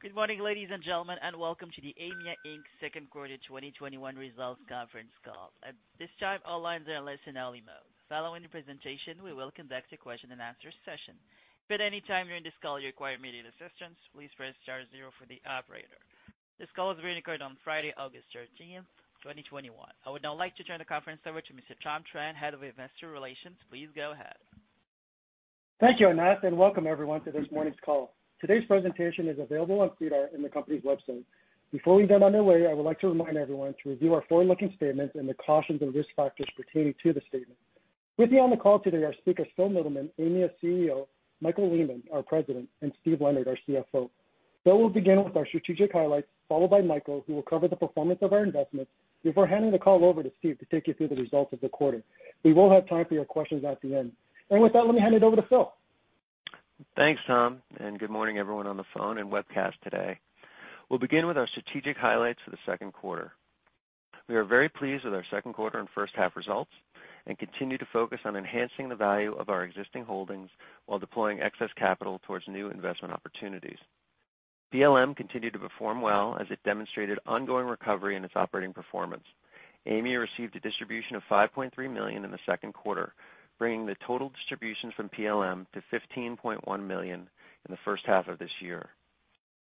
Good morning, ladies and gentlemen, and welcome to the Aimia Inc's second quarter 2021 results conference call. At this time, all lines are in listen-only mode. Following the presentation, we will conduct a question-and-answer session. If at any time during this call you require immediate assistance, please press star zero for the operator. This call is being recorded on Friday, August 13th, 2021. I would now like to turn the conference over to Mr. Tom Tran, Head of Investor Relations. Please go ahead. Thank you, Anas, and welcome everyone to this morning's call. Today's presentation is available on SEDAR in the company's website. Before we begin on our way, I would like to remind everyone to review our forward-looking statements and the cautions and risk factors pertaining to the statement. With me on the call today are speakers Phil Mittleman, Aimia CEO, Michael Lehmann, our President, and Steve Leonard, our CFO. Phil will begin with our strategic highlights, followed by Michael, who will cover the performance of our investments, before handing the call over to Steve to take you through the results of the quarter. We will have time for your questions at the end. With that, let me hand it over to Phil. Thanks, Tom, and good morning everyone on the phone and webcast today. We'll begin with our strategic highlights for the second quarter. We are very pleased with our second quarter and first half results, and continue to focus on enhancing the value of our existing holdings while deploying excess capital towards new investment opportunities. PLM continued to perform well as it demonstrated ongoing recovery in its operating performance. Aimia received a distribution of 5.3 million in the second quarter, bringing the total distributions from PLM to 15.1 million in the first half of this year.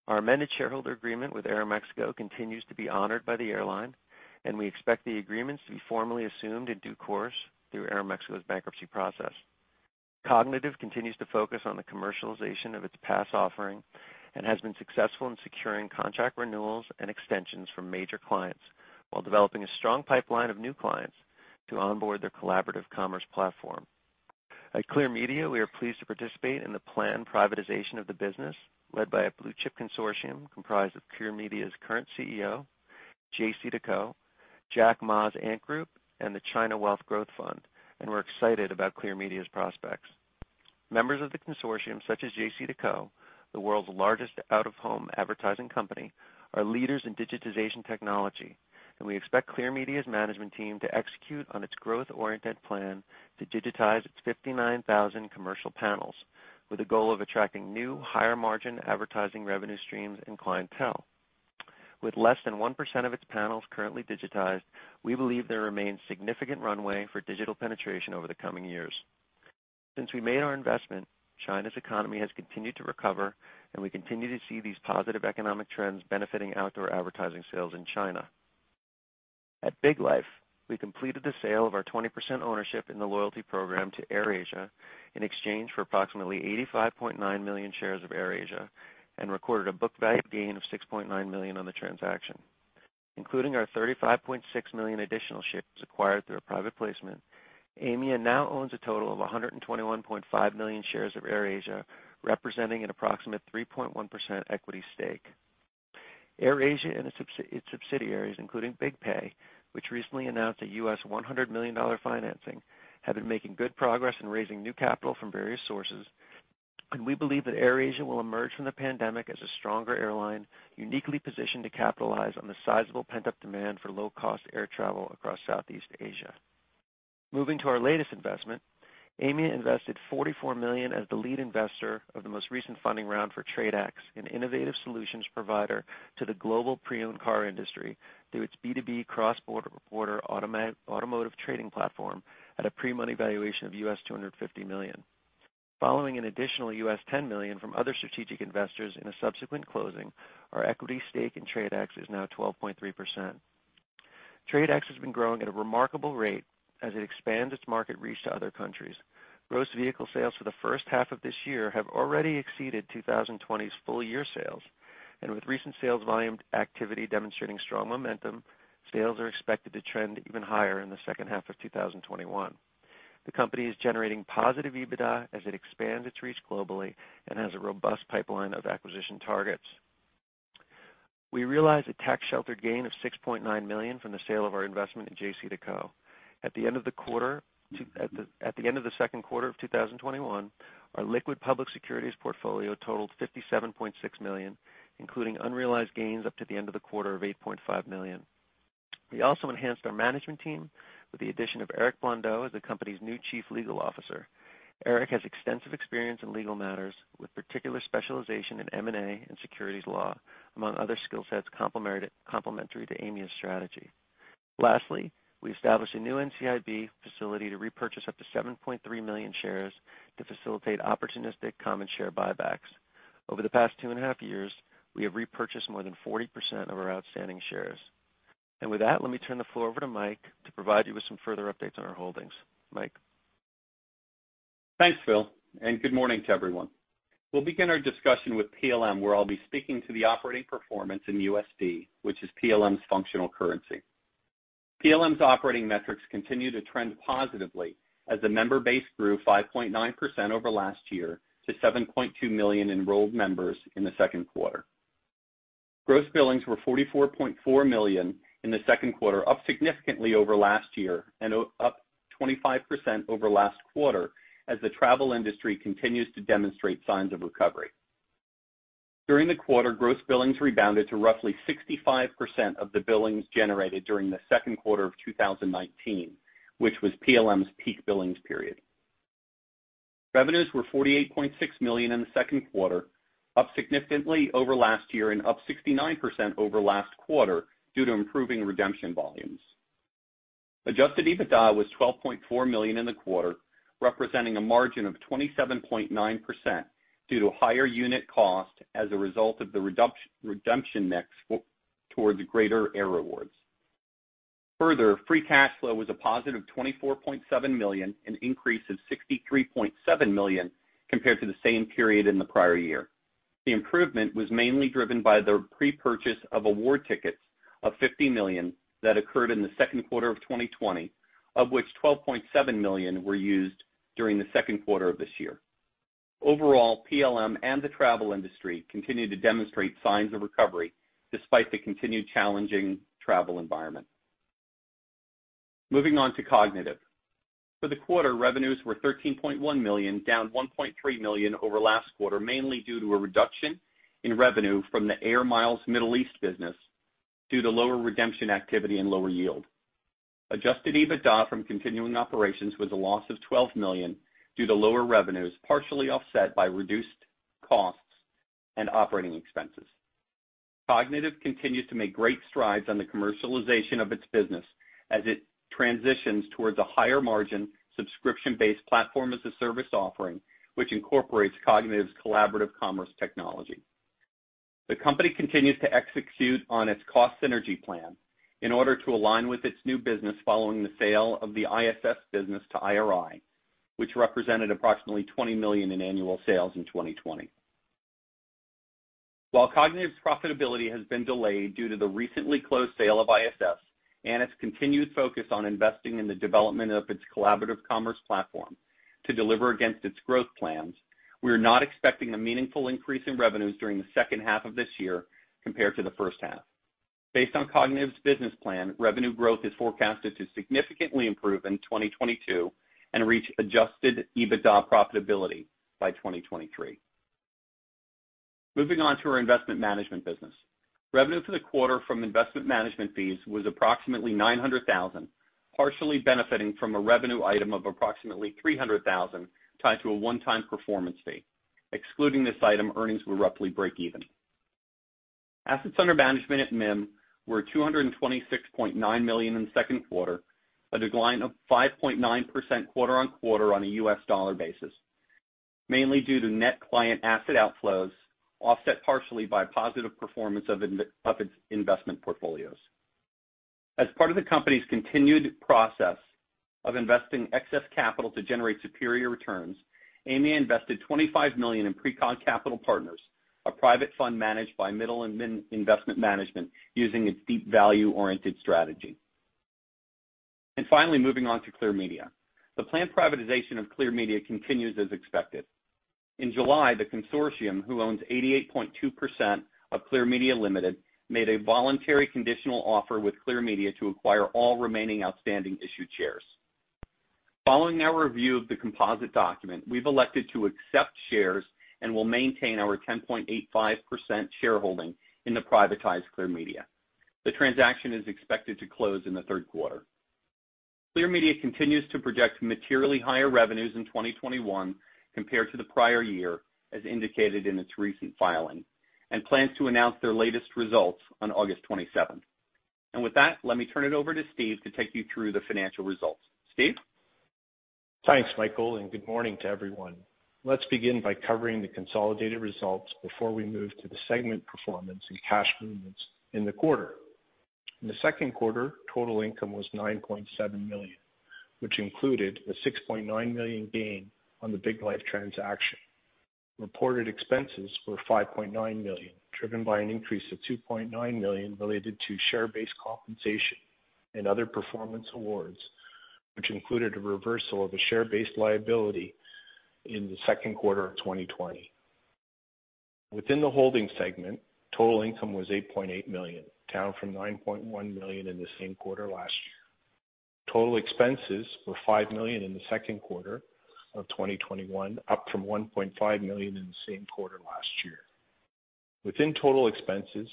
Our amended shareholder agreement with Aeromexico continues to be honored by the airline, and we expect the agreements to be formally assumed in due course through Aeromexico's bankruptcy process. Kognitiv continues to focus on the commercialization of its PaaS offering and has been successful in securing contract renewals and extensions from major clients while developing a strong pipeline of new clients to onboard their collaborative commerce platform. At Clear Media, we are pleased to participate in the planned privatization of the business, led by a Blue Chip consortium comprised of Clear Media's current CEO, JCDecaux, Jack Ma's Ant Group, and the China Wealth Growth Fund, and we're excited about Clear Media's prospects. Members of the consortium such as JCDecaux, the world's largest out-of-home advertising company, are leaders in digitization technology, and we expect Clear Media's management team to execute on its growth-oriented plan to digitize its 59,000 commercial panels, with a goal of attracting new, higher-margin advertising revenue streams and clientele. With less than 1% of its panels currently digitized, we believe there remains significant runway for digital penetration over the coming years. Since we made our investment, China's economy has continued to recover, and we continue to see these positive economic trends benefiting outdoor advertising sales in China. At BIGLIFE, we completed the sale of our 20% ownership in the loyalty program to AirAsia in exchange for approximately 85.9 million shares of AirAsia, and recorded a book value gain of 6.9 million on the transaction. Including our 35.6 million additional shares acquired through a private placement, Aimia now owns a total of 121.5 million shares of AirAsia, representing an approximate 3.1% equity stake. AirAsia and its subsidiaries, including BigPay, which recently announced a $100 million financing, have been making good progress in raising new capital from various sources. We believe that AirAsia will emerge from the pandemic as a stronger airline, uniquely positioned to capitalize on the sizable pent-up demand for low-cost air travel across Southeast Asia. Moving to our latest investment, Aimia invested CAD 44 million as the lead investor of the most recent funding round for TRADE X, an innovative solutions provider to the global pre-owned car industry through its B2B cross-border automotive trading platform at a pre-money valuation of $250 million. Following an additional $10 million from other strategic investors in a subsequent closing, our equity stake in TRADE X is now 12.3%. TRADE X has been growing at a remarkable rate as it expands its market reach to other countries. Gross vehicle sales for the first half of this year have already exceeded 2020's full year sales, and with recent sales volume activity demonstrating strong momentum, sales are expected to trend even higher in the second half of 2021. The company is generating positive EBITDA as it expands its reach globally and has a robust pipeline of acquisition targets. We realized a tax-sheltered gain of 6.9 million from the sale of our investment at JCDecaux. At the end of the second quarter of 2021, our liquid public securities portfolio totaled 57.6 million, including unrealized gains up to the end of the quarter of 8.5 million. We also enhanced our management team with the addition of Eric Blondeau as the company's new Chief Legal Officer. Eric has extensive experience in legal matters, with particular specialization in M&A and securities law, among other skill sets complementary to Aimia's strategy. Lastly, we established a new NCIB facility to repurchase up to 7.3 million shares to facilitate opportunistic common share buybacks. Over the past two and a half years, we have repurchased more than 40% of our outstanding shares. With that, let me turn the floor over to Mike to provide you with some further updates on our holdings. Mike? Thanks, Phil, and good morning to everyone. We'll begin our discussion with PLM, where I'll be speaking to the operating performance in USD, which is PLM's functional currency. PLM's operating metrics continue to trend positively as the member base grew 5.9% over last year to 7.2 million enrolled members in the second quarter. Gross billings were $44.4 million in the second quarter, up significantly over last year and up 25% over last quarter, as the travel industry continues to demonstrate signs of recovery. During the quarter, gross billings rebounded to roughly 65% of the billings generated during the second quarter of 2019, which was PLM's peak billings period. Revenues were $48.6 million in the second quarter, up significantly over last year and up 69% over last quarter due to improving redemption volumes. Adjusted EBITDA was $12.4 million in the quarter, representing a margin of 27.9% due to higher unit cost as a result of the redemption mix towards greater air rewards. Further, free cash flow was a positive $24.7 million, an increase of $63.7 million compared to the same period in the prior year. The improvement was mainly driven by the pre-purchase of award tickets of $50 million that occurred in the second quarter of 2020, of which $12.7 million were used during the second quarter of this year. Overall, PLM and the travel industry continue to demonstrate signs of recovery despite the continued challenging travel environment. Moving on to Kognitiv. For the quarter, revenues were $13.1 million, down $1.3 million over last quarter, mainly due to a reduction in revenue from the Air Miles Middle East business due to lower redemption activity and lower yield. Adjusted EBITDA from continuing operations was a loss of $12 million due to lower revenues, partially offset by reduced costs and operating expenses. Kognitiv continues to make great strides on the commercialization of its business as it transitions towards a higher margin, subscription-based Platform-as-a-Service offering, which incorporates Kognitiv's collaborative commerce technology. The company continues to execute on its cost synergy plan in order to align with its new business following the sale of the ISS business to IRI, which represented approximately $20 million in annual sales in 2020. While Kognitiv's profitability has been delayed due to the recently closed sale of ISS and its continued focus on investing in the development of its collaborative commerce platform to deliver against its growth plans, we are not expecting a meaningful increase in revenues during the second half of this year compared to the first half. Based on Kognitiv's business plan, revenue growth is forecasted to significantly improve in 2022 and reach adjusted EBITDA profitability by 2023. Moving on to our investment management business. Revenue for the quarter from investment management fees was approximately 900,000, partially benefiting from a revenue item of approximately 300,000 tied to a one-time performance fee. Excluding this item, earnings were roughly breakeven. Assets under management at MIM were $226.9 million in the second quarter, a decline of 5.9% quarter-on-quarter on a US dollar basis, mainly due to net client asset outflows, offset partially by positive performance of its investment portfolios. As part of the company's continued process of investing excess capital to generate superior returns, Aimia invested 25 million in Precog Capital Partners, a private fund managed by Mittleman Investment Management using its deep value-oriented strategy. Finally, moving on to Clear Media. The planned privatization of Clear Media continues as expected. In July, the consortium, who owns 88.2% of Clear Media Limited, made a voluntary conditional offer with Clear Media to acquire all remaining outstanding issued shares. Following our review of the composite document, we've elected to accept shares and will maintain our 10.85% shareholding in the privatized Clear Media. The transaction is expected to close in the third quarter. Clear Media continues to project materially higher revenues in 2021 compared to the prior year, as indicated in its recent filing, and plans to announce their latest results on August 27th. With that, let me turn it over to Steve to take you through the financial results. Steve? Thanks, Michael, and good morning to everyone. Let's begin by covering the consolidated results before we move to the segment performance and cash movements in the quarter. In the second quarter, total income was 9.7 million, which included a 6.9 million gain on the BIGLIFE transaction. Reported expenses were 5.9 million, driven by an increase of 2.9 million related to share-based compensation and other performance awards, which included a reversal of a share-based liability in the second quarter of 2020. Within the holding segment, total income was 8.8 million, down from 9.1 million in the same quarter last year. Total expenses were 5 million in the second quarter of 2021, up from 1.5 million in the same quarter last year. Within total expenses,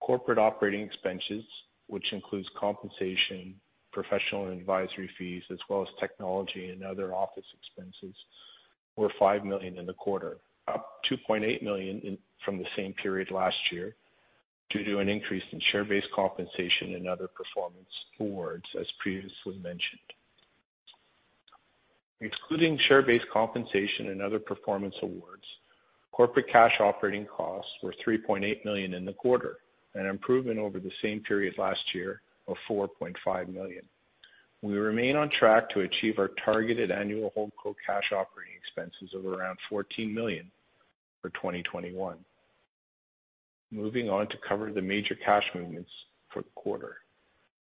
corporate operating expenses, which includes compensation, professional and advisory fees, as well as technology and other office expenses, were 5 million in the quarter, up 2.8 million from the same period last year due to an increase in share-based compensation and other performance awards, as previously mentioned. Excluding share-based compensation and other performance awards, corporate cash operating costs were 3.8 million in the quarter, an improvement over the same period last year of 4.5 million. We remain on track to achieve our targeted annual holdco cash operating expenses of around 14 million for 2021. Moving on to cover the major cash movements for the quarter.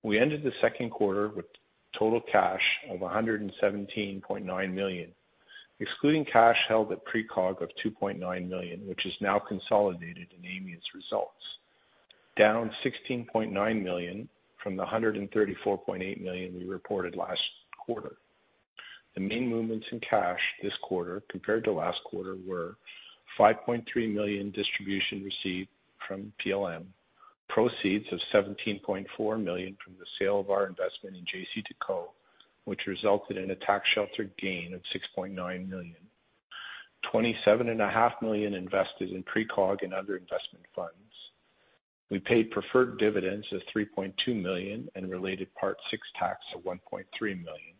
We ended the second quarter with total cash of 117.9 million, excluding cash held at Precog of 2.9 million, which is now consolidated in Aimia's results, down 16.9 million from the 134.8 million we reported last quarter. The main movements in cash this quarter compared to last quarter were 5.3 million distribution received from PLM, proceeds of 17.4 million from the sale of our investment in JCDecaux, which resulted in a tax shelter gain of 6.9 million, 27.5 million invested in Precog and other investment funds. We paid preferred dividends of 3.2 million and related Part VI tax of 1.3 million.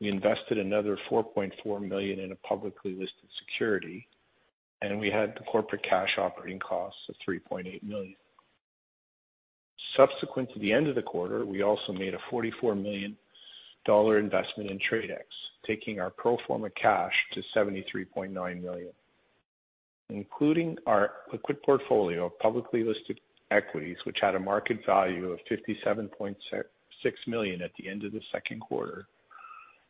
We invested another 4.4 million in a publicly listed security, and we had the corporate cash operating costs of 3.8 million. Subsequent to the end of the quarter, we also made a 44 million dollar investment in TRADE X, taking our pro forma cash to 73.9 million. Including our liquid portfolio of publicly listed equities, which had a market value of 57.6 million at the end of the second quarter,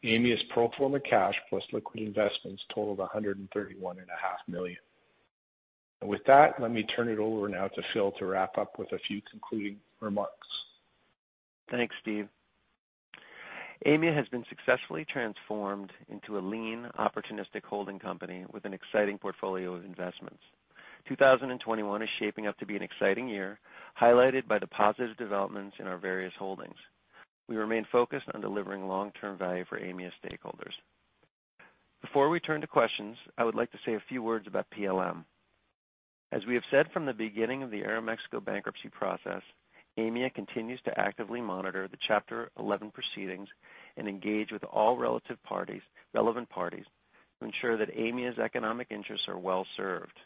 Aimia's pro forma cash plus liquid investments totaled 131.5 million. With that, let me turn it over now to Phil to wrap up with a few concluding remarks. Thanks, Steve. Aimia has been successfully transformed into a lean, opportunistic holding company with an exciting portfolio of investments. 2021 is shaping up to be an exciting year, highlighted by the positive developments in our various holdings. We remain focused on delivering long-term value for Aimia stakeholders. Before we turn to questions, I would like to say a few words about PLM. As we have said from the beginning of the Aeromexico bankruptcy process, Aimia continues to actively monitor the Chapter 11 proceedings and engage with all relevant parties to ensure that Aimia's economic interests are well-served.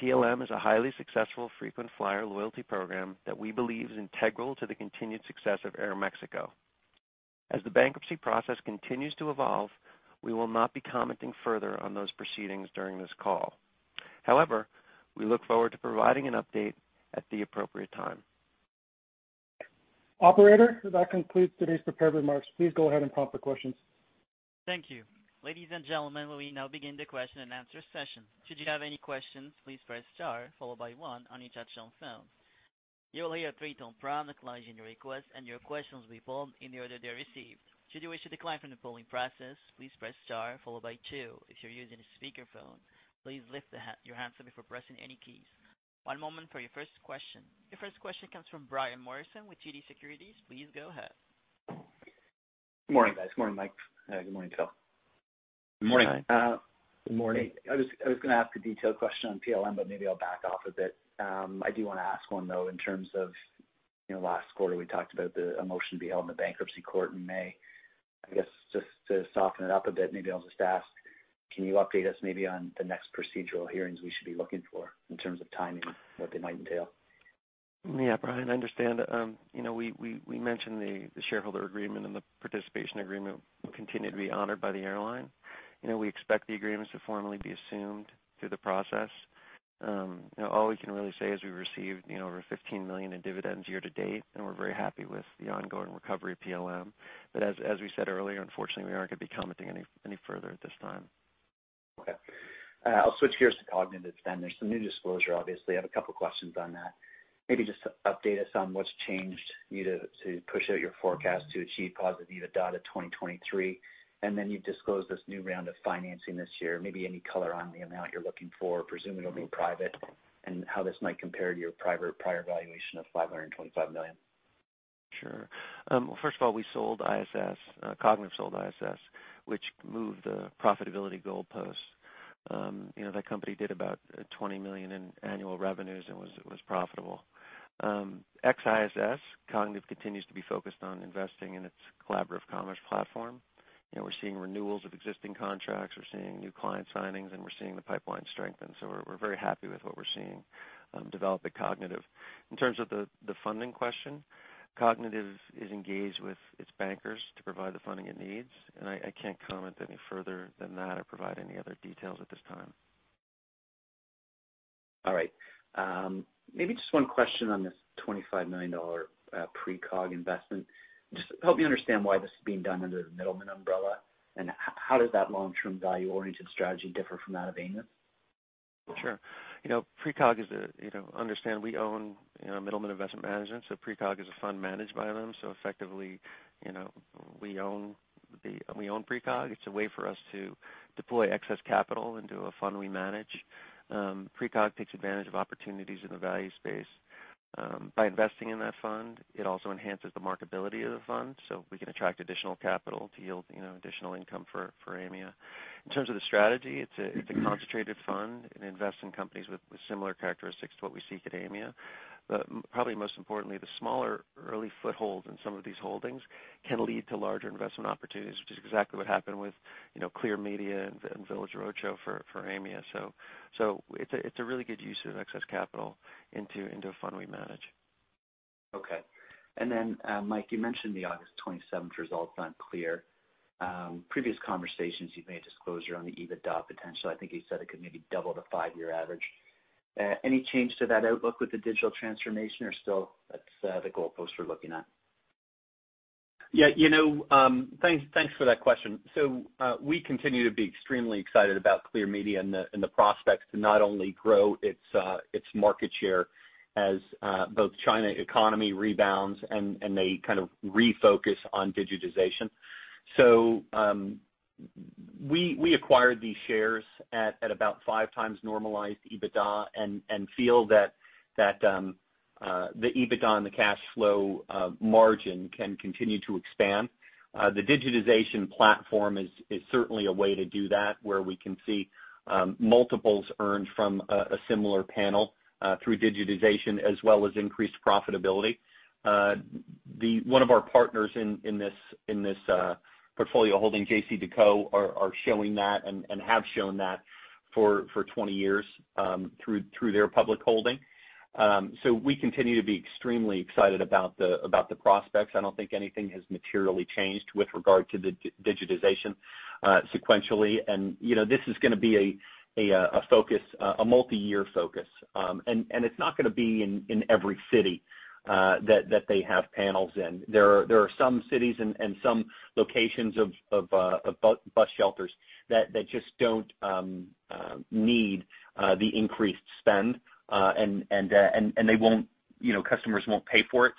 PLM is a highly successful frequent flyer loyalty program that we believe is integral to the continued success of Aeromexico. As the bankruptcy process continues to evolve, we will not be commenting further on those proceedings during this call. However, we look forward to providing an update at the appropriate time. Operator, that concludes today's prepared remarks. Please go ahead and prompt the questions. Thank you. Ladies and gentlemen, we now begin the question-and-answer session. Should you have any questions, please press star followed by one on your touch-tone phone. acknowledging your request and your questions will be pulled in the order they are received. Should you wish to decline from the polling process, please press star followed by two. If you are using a speakerphone, please lift up your handset before pressing any keys. One moment for your first question. Your first question comes from Brian Morrison with TD Securities. Please go ahead. Good morning, guys. Good morning, Mike. Good morning, Phil. Good morning. Good morning. I was going to ask a detailed question on PLM, but maybe I'll back off a bit. I do want to ask one, though, in terms of last quarter, we talked about a motion to be held in the bankruptcy court in May. I guess just to soften it up a bit, maybe I'll just ask, can you update us maybe on the next procedural hearings we should be looking for in terms of timing and what they might entail? Yeah, Brian, I understand. We mentioned the shareholder agreement and the participation agreement will continue to be honored by the airline. We expect the agreements to formally be assumed through the process. All we can really say is we received over 15 million in dividends year to date, and we're very happy with the ongoing recovery of PLM. As we said earlier, unfortunately, we aren't going to be commenting any further at this time. Okay. I'll switch gears to Kognitiv. There's some new disclosure, obviously. I have a couple questions on that. Maybe just update us on what's changed you to push out your forecast to achieve positive EBITDA 2023. You've disclosed this new round of financing this year. Maybe any color on the amount you're looking for, presuming it'll be private, and how this might compare to your private prior valuation of 525 million. Sure. Well, first of all, we sold ISS. Kognitiv sold ISS, which moved the profitability goalposts. That company did about 20 million in annual revenues and was profitable. Ex ISS, Kognitiv continues to be focused on investing in its collaborative commerce platform. We're seeing renewals of existing contracts, we're seeing new client signings, and we're seeing the pipeline strengthen. We're very happy with what we're seeing develop at Kognitiv. In terms of the funding question, Kognitiv is engaged with its bankers to provide the funding it needs, and I can't comment any further than that or provide any other details at this time. All right. Maybe just one question on this 25 million dollar Precog investment. Just help me understand why this is being done under the Mittleman umbrella, and how does that long-term value-oriented strategy differ from that of Aimia's? Sure. Understand we own Mittleman Investment Management. Precog is a fund managed by them. Effectively, we own Precog. It's a way for us to deploy excess capital into a fund we manage. Precog takes advantage of opportunities in the value space. By investing in that fund, it also enhances the marketability of the fund so we can attract additional capital to yield additional income for Aimia. In terms of the strategy, it's a concentrated fund. It invests in companies with similar characteristics to what we seek at Aimia. Probably most importantly, the smaller early footholds in some of these holdings can lead to larger investment opportunities, which is exactly what happened with Clear Media and Village Roadshow for Aimia. It's a really good use of excess capital into a fund we manage. Okay. Mike, you mentioned the August 27th results on Clear. Previous conversations, you've made a disclosure on the EBITDA potential. I think you said it could maybe double the five-year average. Any change to that outlook with the digital transformation, or still that's the goalpost we're looking at? Thanks for that question. We continue to be extremely excited about Clear Media and the prospects to not only grow its market share as both China economy rebounds and they kind of refocus on digitization. We acquired these shares at about 5x normalized EBITDA and feel that the EBITDA and the cash flow margin can continue to expand. The digitization platform is certainly a way to do that, where we can see multiples earned from a similar panel through digitization as well as increased profitability. One of our partners in this portfolio holding, JCDecaux, are showing that and have shown that for 20 years through their public holding. We continue to be extremely excited about the prospects. I don't think anything has materially changed with regard to the digitization sequentially. This is going to be a multi-year focus. It's not going to be in every city that they have panels in. There are some cities and some locations of bus shelters that just don't need the increased spend. Customers won't pay for it.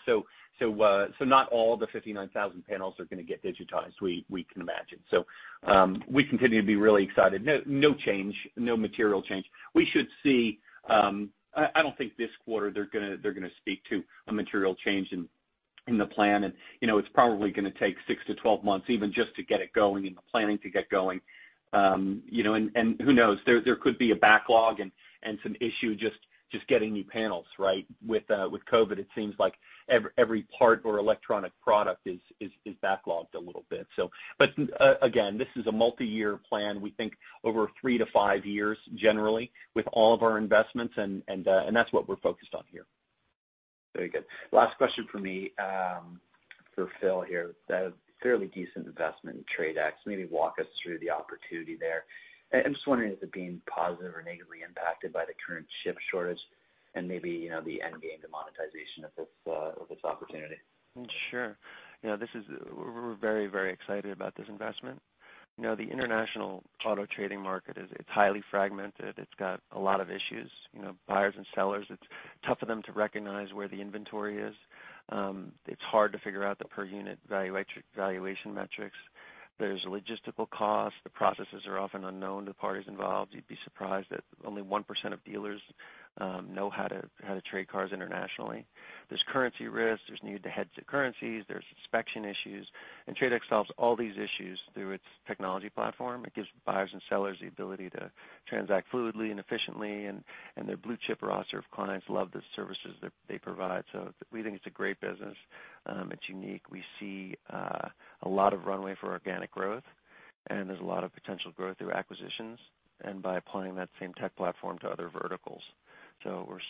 Not all the 59,000 panels are going to get digitized, we can imagine. We continue to be really excited. No material change. I don't think this quarter they're going to speak to a material change in the plan. It's probably going to take 6-12 months even just to get it going and the planning to get going. Who knows? There could be a backlog and some issue just getting new panels, right? With COVID, it seems like every part or electronic product is backlogged a little bit. Again, this is a multi-year plan. We think over three to five years generally with all of our investments, and that's what we're focused on here. Very good. Last question from me for Phil here. The fairly decent investment in TRADE X. Maybe walk us through the opportunity there. I'm just wondering, is it being positively or negatively impacted by the current chip shortage and maybe the end game, the monetization of this opportunity? Sure. We're very, very excited about this investment. The international auto trading market is highly fragmented. It's got a lot of issues. Buyers and sellers, it's tough for them to recognize where the inventory is. It's hard to figure out the per unit valuation metrics. There's logistical costs. The processes are often unknown to parties involved. You'd be surprised that only 1% of dealers know how to trade cars internationally. There's currency risk. There's need to hedge currencies. There's inspection issues. TRADE X solves all these issues through its technology platform. It gives buyers and sellers the ability to transact fluidly and efficiently. Their blue-chip roster of clients love the services that they provide. We think it's a great business. It's unique. We see a lot of runway for organic growth, and there's a lot of potential growth through acquisitions and by applying that same tech platform to other verticals.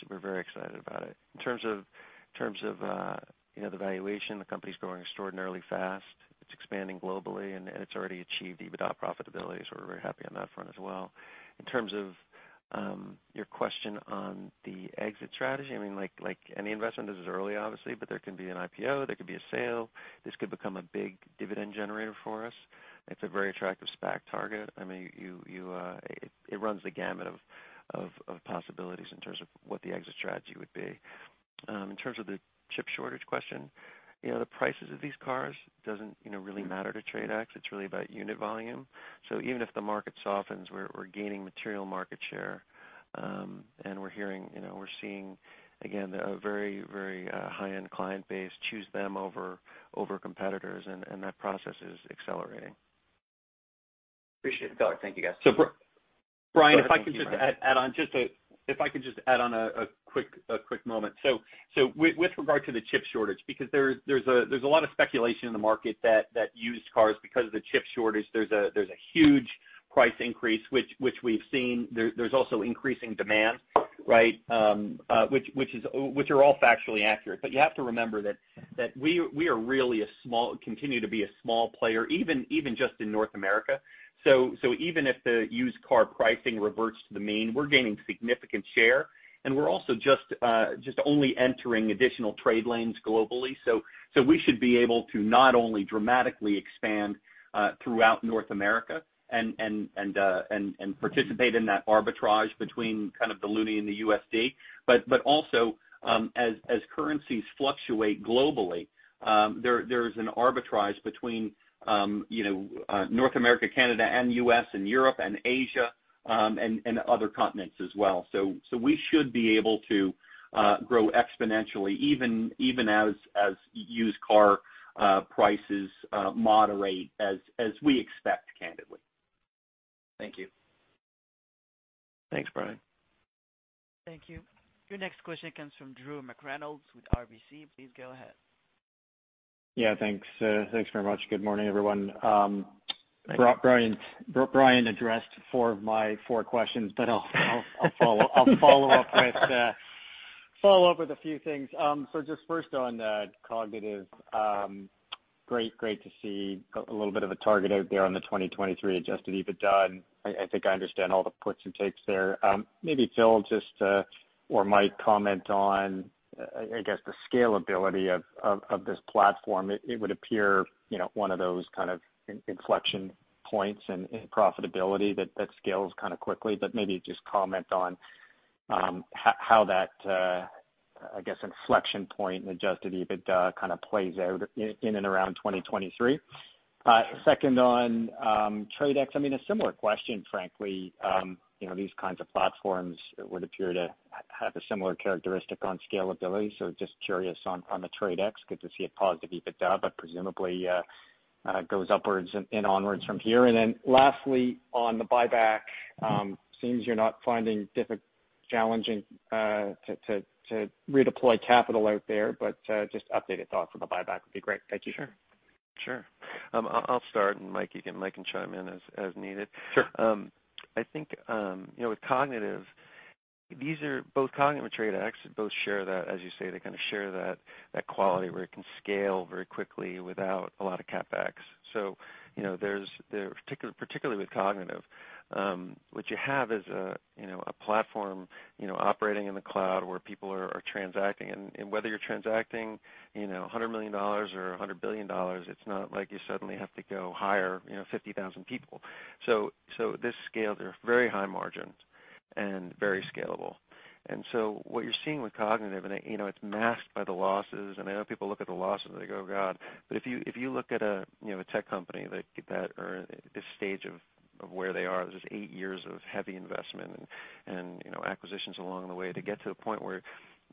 We're very excited about it. In terms of the valuation, the company's growing extraordinarily fast. It's expanding globally, and it's already achieved EBITDA profitability, so we're very happy on that front as well. In terms of your question on the exit strategy, like any investment, this is early, obviously, but there can be an IPO, there could be a sale. This could become a big dividend generator for us. It's a very attractive SPAC target. It runs the gamut of possibilities in terms of what the exit strategy would be. In terms of the chip shortage question, the prices of these cars doesn't really matter to TRADE X. It's really about unit volume. Even if the market softens, we're gaining material market share. We're seeing, again, a very, very high-end client base choose them over competitors, and that process is accelerating. Appreciate it. Thank you, guys. Brian, if I could just add on a quick moment. With regard to the chip shortage, because there's a lot of speculation in the market that used cars, because of the chip shortage, there's a huge price increase, which we've seen. There's also increasing demand, right? Which are all factually accurate. You have to remember that we really continue to be a small player, even just in North America. Even if the used car pricing reverts to the mean, we're gaining significant share, and we're also just only entering additional trade lanes globally. We should be able to not only dramatically expand throughout North America and participate in that arbitrage between kind of the Loonie and the USD, but also as currencies fluctuate globally, there's an arbitrage between North America, Canada, and U.S., and Europe and Asia, and other continents as well. We should be able to grow exponentially, even as used car prices moderate as we expect, candidly. Thank you. Thanks, Brian. Thank you. Your next question comes from Drew McReynolds with RBC. Please go ahead. Yeah, thanks very much. Good morning, everyone. Hi. Brian addressed four of my four questions, but I'll follow up with a few things. Just first on Kognitiv. Great to see a little bit of a target out there on the 2023 adjusted EBITDA, and I think I understand all the puts and takes there. Maybe Phil or Mike, comment on, I guess, the scalability of this platform, it would appear one of those kind of inflection points in profitability that scales kind of quickly. Maybe just comment on how that, I guess, inflection point in adjusted EBITDA kind of plays out in and around 2023. Second on TRADE X, a similar question, frankly. These kinds of platforms would appear to have a similar characteristic on scalability. Just curious on the TRADE X. Good to see a positive EBITDA, but presumably goes upwards and onwards from here. Lastly, on the buyback, seems you're not finding difficult challenging to redeploy capital out there, just updated thoughts on the buyback would be great. Thank you. Sure. I'll start, Michael can chime in as needed. I think with Kognitiv, both Kognitiv and TRADE X both share that, as you say, they kind of share that quality where it can scale very quickly without a lot of CapEx. Particularly with Kognitiv, what you have is a platform operating in the cloud where people are transacting. Whether you're transacting $100 million or $100 billion, it's not like you suddenly have to go hire 50,000 people. This scale, they're very high margin and very scalable. What you're seeing with Kognitiv, and it's masked by the losses, and I know people look at the losses and they go, "Oh, God." If you look at a tech company at this stage of where they are, this is eight years of heavy investment and acquisitions along the way to get to a point where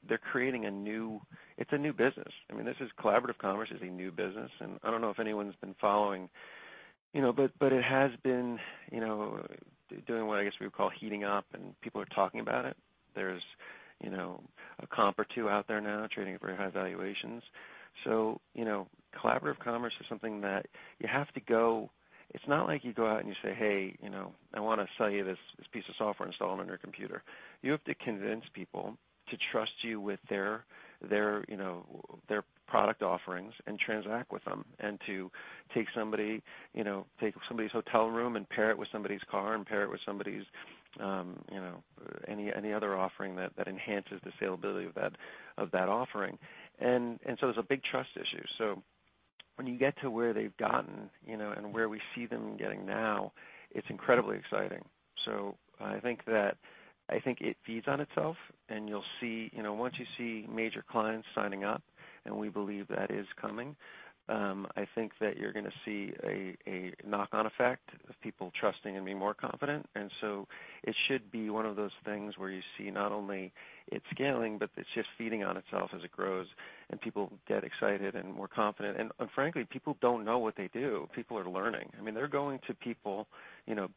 they're creating a new, it's a new business. I mean, this is collaborative commerce is a new business, and I don't know if anyone's been following, but it has been doing what I guess we would call heating up, and people are talking about it. There's a comp or two out there now trading at very high valuations. Collaborative commerce is something that you have to go, it's not like you go out and you say, "Hey, I want to sell you this piece of software, install it on your computer." You have to convince people to trust you with their product offerings and transact with them, and to take somebody's hotel room and pair it with somebody's car and pair it with somebody's, any other offering that enhances the scalability of that offering. There's a big trust issue. When you get to where they've gotten, and where we see them getting now, it's incredibly exciting. I think it feeds on itself, and once you see major clients signing up, and we believe that is coming, I think that you're going to see a knock-on effect of people trusting and being more confident. It should be one of those things where you see not only it scaling, but it's just feeding on itself as it grows and people get excited and more confident. Frankly, people don't know what they do. People are learning. I mean, they're going to people,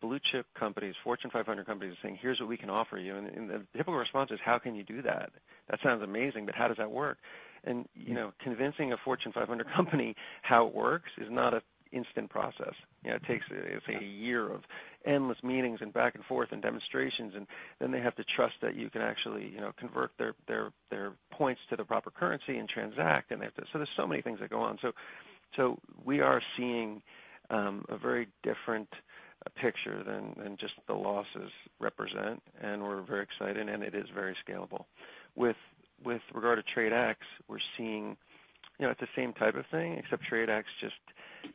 blue-chip companies, Fortune 500 companies, and saying, "Here's what we can offer you." The typical response is, "How can you do that? That sounds amazing, but how does that work?" Convincing a Fortune 500 company how it works is not an instant process. It's a year of endless meetings and back and forth and demonstrations, and then they have to trust that you can actually convert their points to the proper currency and transact, and they have to. There's so many things that go on. We are seeing a very different picture than just the losses represent, and we're very excited, and it is very scalable. With regard to TRADE X, we're seeing it's the same type of thing, except TRADE X just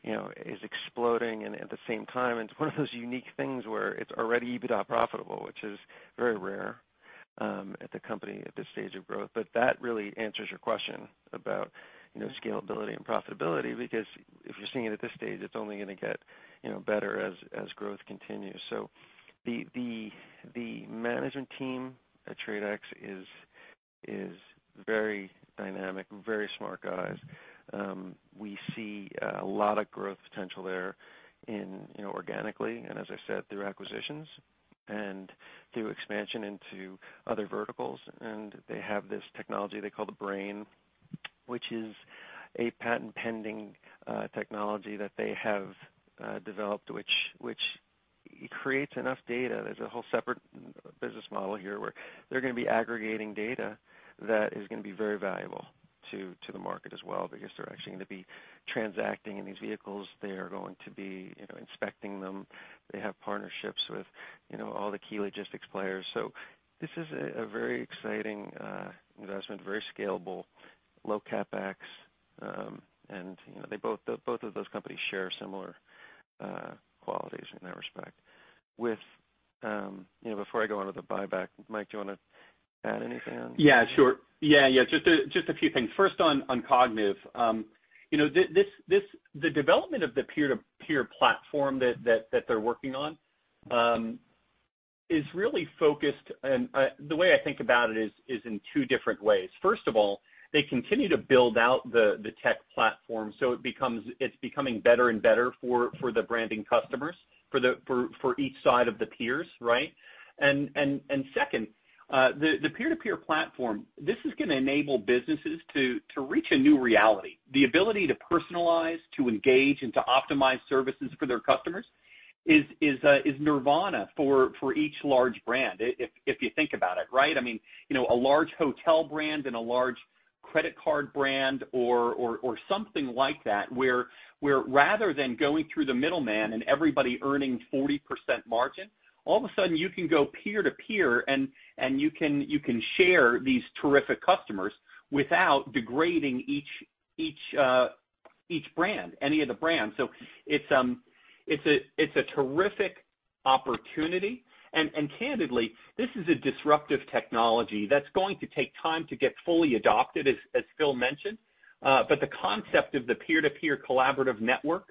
is exploding. At the same time, it's one of those unique things where it's already EBITDA profitable, which is very rare at the company at this stage of growth. That really answers your question about scalability and profitability, because if you're seeing it at this stage, it's only going to get better as growth continues. The management team at TRADE X is very dynamic, very smart guys. We see a lot of growth potential there organically, and as I said, through acquisitions and through expansion into other verticals. They have this technology they call the Brain, which is a patent-pending technology that they have developed, which creates enough data. There's a whole separate business model here where they're going to be aggregating data that is going to be very valuable to the market as well because they're actually going to be transacting in these vehicles. They are going to be inspecting them. They have partnerships with all the key logistics players. This is a very exciting investment, very scalable, low CapEx. Both of those companies share similar qualities in that respect. Before I go on to the buyback, Mike, do you want to add anything on? Yeah, sure. Just a few things. First, on Kognitiv. The development of the peer-to-peer platform that they're working on is really focused. The way I think about it is in two different ways. First of all, they continue to build out the tech platform, so it's becoming better and better for the branding customers, for each side of the peers, right? Second, the peer-to-peer platform, this is going to enable businesses to reach a new reality. The ability to personalize, to engage, and to optimize services for their customers is nirvana for each large brand, if you think about it, right? I mean a large hotel brand and a large credit card brand or something like that, where rather than going through the middleman and everybody earning 40% margin, all of a sudden you can go peer-to-peer and you can share these terrific customers without degrading each brand, any of the brands. It's a terrific opportunity, and candidly, this is a disruptive technology that's going to take time to get fully adopted, as Phil mentioned. The concept of the peer-to-peer collaborative network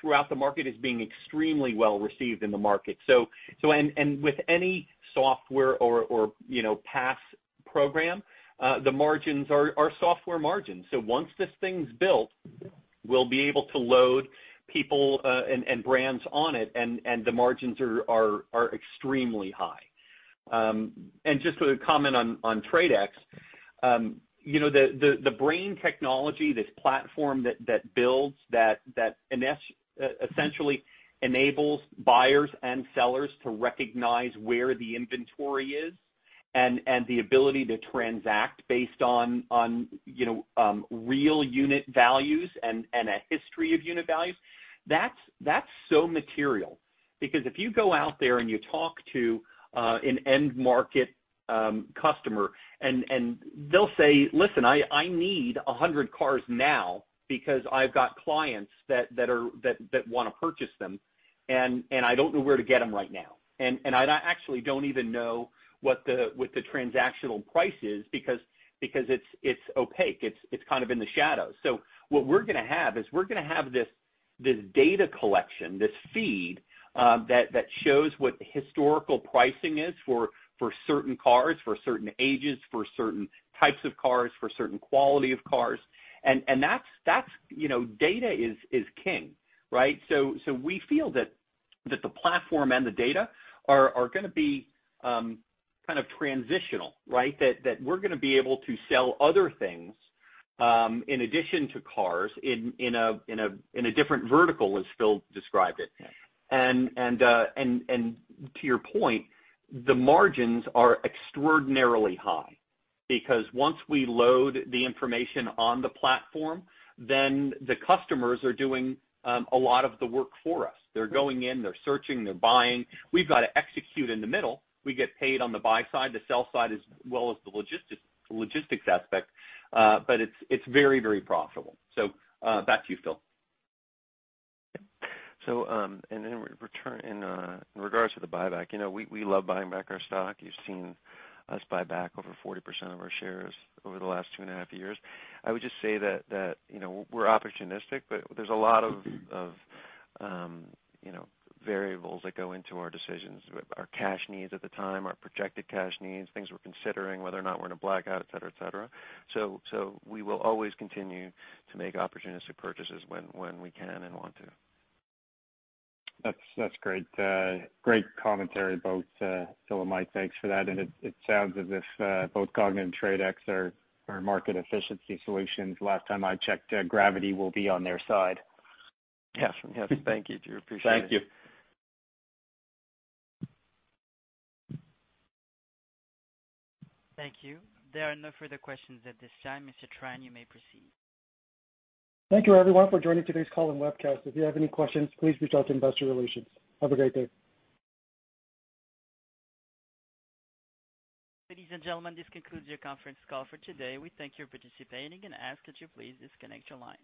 throughout the market is being extremely well-received in the market. With any software or PaaS program, the margins are software margins. Once this thing's built, we'll be able to load people and brands on it and the margins are extremely high. Just to comment on TRADE X, the Brain technology, this platform that builds that, essentially enables buyers and sellers to recognize where the inventory is and the ability to transact based on real unit values and a history of unit values. That's so material. If you go out there and you talk to an end market customer and they'll say, "Listen, I need 100 cars now because I've got clients that want to purchase them, and I don't know where to get them right now. I actually don't even know what the transactional price is because it's opaque. It's kind of in the shadows." What we're going to have is we're going to have this data collection, this feed that shows what historical pricing is for certain cars, for certain ages, for certain types of cars, for certain quality of cars, data is king, right? We feel that the platform and the data are going to be kind of transitional. That we're going to be able to sell other things in addition to cars in a different vertical, as Phil described it. To your point, the margins are extraordinarily high because once we load the information on the platform, then the customers are doing a lot of the work for us. They're going in, they're searching, they're buying. We've got to execute in the middle. We get paid on the buy side, the sell side, as well as the logistics aspect. It's very, very profitable. Back to you, Phil. In regards to the buyback, we love buying back our stock. You've seen us buy back over 40% of our shares over the last two and a half years. I would just say that we're opportunistic, but there's a lot of variables that go into our decisions, our cash needs at the time, our projected cash needs, things we're considering, whether or not we're in a blackout, et cetera. We will always continue to make opportunistic purchases when we can and want to. That's great. Great commentary, both Phil and Mike, thanks for that. It sounds as if both Kognitiv and TRADE X are market efficiency solutions. Last time I checked, gravity will be on their side. Yes. Thank you, Drew, appreciate it. Thank you. Thank you. There are no further questions at this time. Mr. Tran, you may proceed. Thank you everyone for joining today's call and webcast. If you have any questions, please reach out to investor relations. Have a great day. Ladies and gentlemen, this concludes your conference call for today. We thank you for participating and ask that you please disconnect your lines.